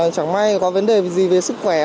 chẳng may có vấn đề gì về sức khỏe